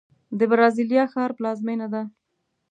د برازیلیا ښار پلازمینه ده.